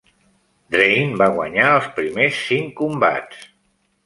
Draine va guanyar els primers cinc combats.